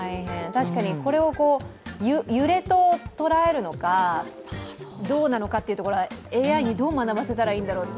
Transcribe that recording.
確かにこれを、揺れと捉えるのかどうなのかというところがＡＩにどう学ばせたらいいんだろうと。